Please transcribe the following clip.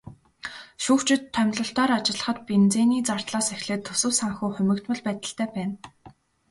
Шүүгчид томилолтоор ажиллахад бензиний зардлаас эхлээд төсөв санхүү хумигдмал байдалтай байна.